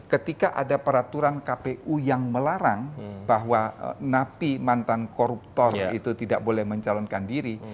ketika ada peraturan kpu yang melarang bahwa napi mantan koruptor itu tidak boleh mencalonkan diri